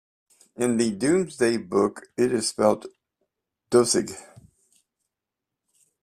In the Domesday Book it is spelt Dochesig.